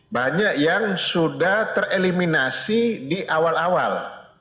banyak yang sudah tereliminasi di awal awal